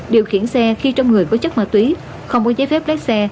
điều khiển xe khi trong người có chất ma túy không có giấy phép lái xe